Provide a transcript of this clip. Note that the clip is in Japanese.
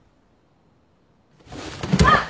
あっ！